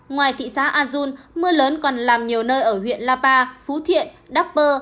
ngoài thị xã azun mưa lớn còn làm nhiều nơi ở huyện lapa phú thiện đắc bơ